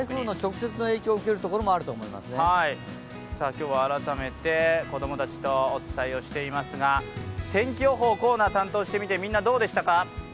今日は改めて子供たちとお伝えしていますが天気予報コーナー担当してみて、みんなどうでしたか？